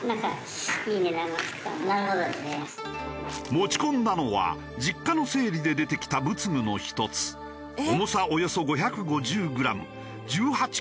持ち込んだのは実家の整理で出てきた仏具の１つ重さおよそ５５０グラム１８金のお鈴。